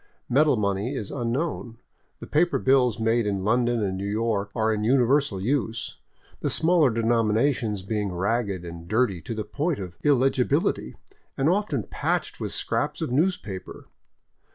Metal money is unknown; the paper bills made in London and New York are in universal use, the smaller denominations being ragged and dirty to the point of illegibil ity, and often patched with scraps of newspaper.